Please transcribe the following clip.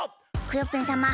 クヨッペンさま